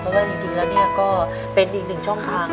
เพราะว่าจริงแล้วเนี่ยก็เป็นอีกหนึ่งช่องทาง